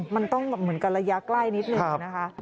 มันต้องเหมือนกันระยะใกล้นิดนึงนะคะ